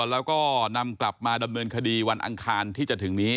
แล้วก็นำกลับมาดำเนินคดีวันอังคารที่จะถึงนี้